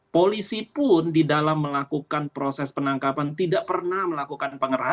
polisi pun di dalam melakukan proses penangkapan tidak pernah melakukan pengerahan